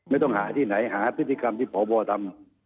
ไม่ต้องหาที่ไหนหาพฤติกรรมที่พบทำ